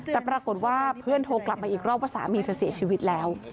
แต่ปรากฏว่าเพื่อนโทรกลับมาอีกรอบว่าสามีเธอเสียชีวิตแล้ว